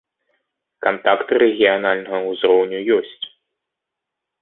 Кантакты рэгіянальнага узроўню ёсць.